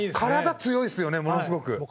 体強いですよねものすごく。